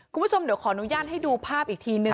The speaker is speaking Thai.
คุณผู้ชมเดี๋ยวขออนุญาตให้ดูภาพอีกทีนึง